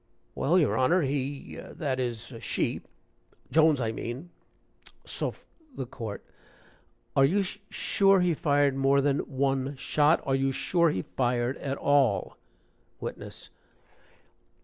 "Well, your Honor he that is, she Jones, I mean Soph " THE COURT. "Are you sure he fired more than one shot? Are you sure he fired at all?" WITNESS.